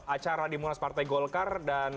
acara di munas partai golkar dan